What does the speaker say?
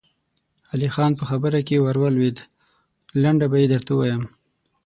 علی خان په خبره کې ور ولوېد: لنډه به يې درته ووايم.